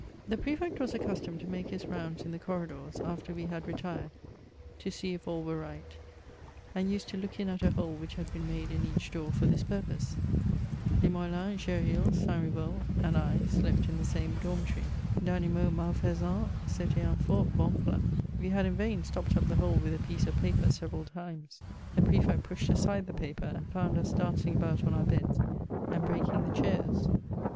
The Prefect was accustomed to make his rounds in the t»rridors, after we had retired, to see if all were right, and used to look in at a hole which had been made in each door for this purpose. Limoelan, Gesril, St. Riveul and I slept in the same dormitory :" D*animaux malfaisans c'etait un fort bon plat.'' We had in vain stopped up the hole with a piece of paper several times ; the Prefect pushed aside the paper, and found us dancing about on our beds and breaking the chairs.